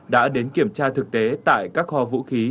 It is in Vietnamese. đã đến kiểm tra thực tế tại các kho vũ khí